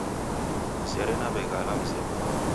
Mzere naw'eghala mzedu.